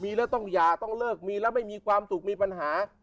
มีแล้วต้องหย่าต้องเลิกมีแล้วไม่มีความสุขมีปัญหา